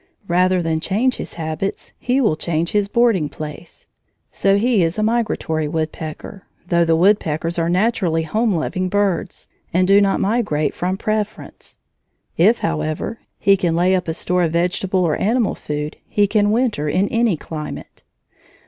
Rather than change his habits he will change his boarding place. So he is a migratory woodpecker, though the woodpeckers are naturally home loving birds, and do not migrate from preference. If, however, he can lay up a store of vegetable or animal food, he can winter in any climate.